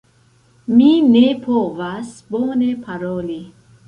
Mi ne povas bone paroli.